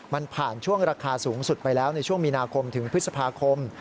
มันผ่านช่วงราคาสูงสุดไปแล้วในช่วงมีนาคมถึงพฤษภาคม